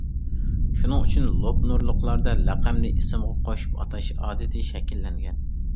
شۇنىڭ ئۈچۈن لوپنۇرلۇقلاردا لەقەمنى ئىسىمغا قوشۇپ ئاتاش ئادىتى شەكىللەنگەن.